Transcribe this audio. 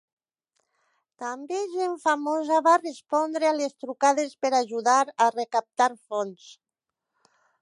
També gent famosa va respondre a les trucades per ajudar a recaptar fons.